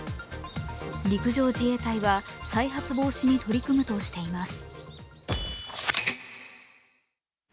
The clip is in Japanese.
陸上自衛隊は再発防止に取り組むとしています。